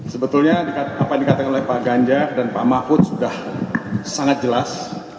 sebetulnya apa yang dikatakan oleh pak ganjar dan pak mahfud sudah sangat jelas